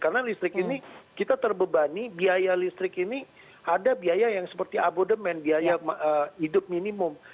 karena listrik ini kita terbebani biaya listrik ini ada biaya yang seperti abodement biaya hidup minimum